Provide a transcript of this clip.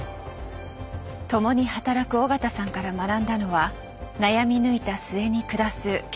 共に働く緒方さんから学んだのは悩み抜いた末に下す決断力。